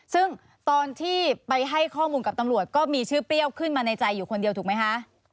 ซึ่งตอนที่ไปให้ข้อมูลกับตำรวจก็มีชื่อเปรี้ยวขึ้นมาในใจอยู่คนเดียวถูกไหมคะ